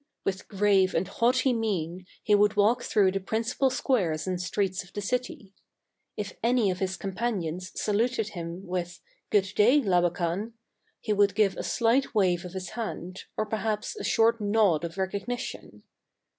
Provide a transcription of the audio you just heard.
With grave and haughty mien he would walk through the principal squares and streets of the city. If any of his companions saluted him with " Good day, Laba kan !" he would give a slight wave of his hand, or perhaps a short nod of recognition.